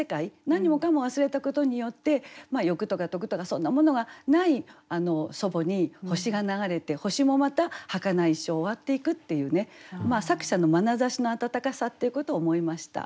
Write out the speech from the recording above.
何もかも忘れたことによって欲とか得とかそんなものがない祖母に星が流れて星もまたはかないし終わっていくっていうね作者のまなざしの温かさっていうことを思いました。